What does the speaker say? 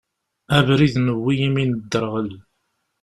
Abrid newwi imi nedderɣel.